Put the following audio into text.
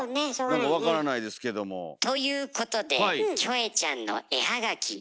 何か分からないですけども。ということで「キョエちゃん」の絵はがき募集します。